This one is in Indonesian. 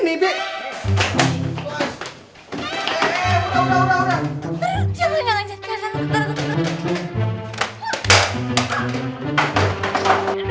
taruh taruh jangan jangan jangan taruh taruh taruh